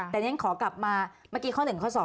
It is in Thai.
แต่ฉันขอกลับมาเมื่อกี้ข้อ๑ข้อ๒